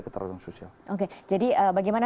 keterampilan sosial oke jadi bagaimana